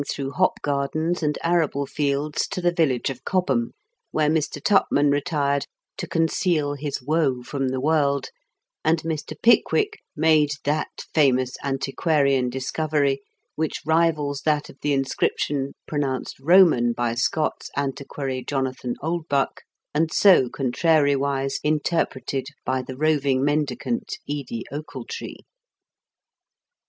through hop gaxdens and arable fields to the village of Cobham, where Mr. Tupman retired to conceal his woe from the world, and Mr* Pickwick made that famous antiquarian dis covery which rivals that of the inscription pronounced Eoman by Scott's antiquary, Jonathan Oldbuck, and so contrariwise in terpreted by the roving mendicant, Edie Ochiltree.